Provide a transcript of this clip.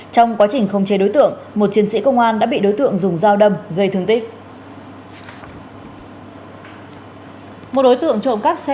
trong quá trình không chế đối tượng một chiến sĩ công an đã bị đối tượng dùng dao đâm gây thương tích